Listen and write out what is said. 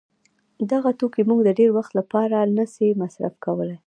دغه توکي موږ د ډېر وخت له پاره نه سي مصروف کولای.